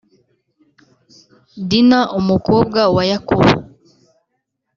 Dina umukobwa wa Yakobo